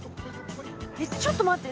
えっちょっと待って。